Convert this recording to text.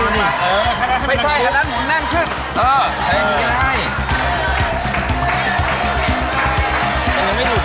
ยังไม่หยุดเลยนะเอาดีแล้ว